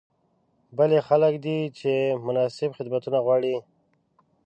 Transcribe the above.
بل یې خلک دي چې مناسب خدمتونه غواړي.